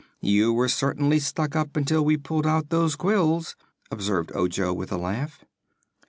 "You were certainly stuck up until we pulled out those quills," observed Ojo, with a laugh.